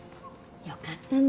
よかったねえ。